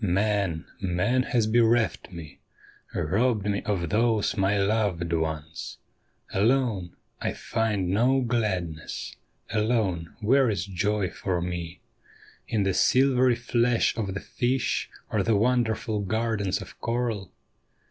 ' Man, man has bereft me, robbed me of tliose my loved ones ; Alone, I find no gladness ; alone, where is joy for me In the silvery flash of the fish or tlie wonderful gardens of coral?